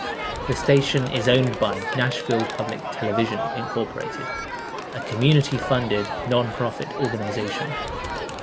The station is owned by Nashville Public Television, Incorporated a community-funded, nonprofit organization.